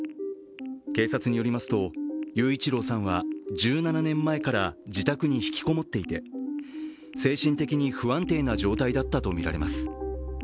警察によりますと、雄一郎さんは１７年前から自宅に引きこもっていて精神的に不安定な状態だったとみられます。